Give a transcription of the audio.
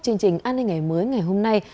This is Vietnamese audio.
chương trình an ninh ngày mới ngày hôm nay